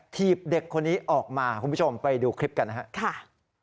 ถีบเด็กคนนี้ออกมาคุณผู้ชมไปดูคลิปกันนะครับ